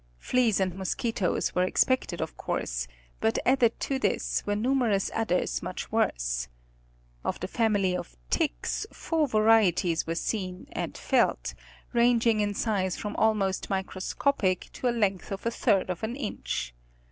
Fleas and mosquitoes were expected of course, but added to this were numerous others much worse. Of the family of "ticks" four varieties were seen and felt, ranging in size from almost microscopic to a length of a third of an inch.